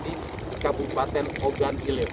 yaitu di kabupaten ogan ilir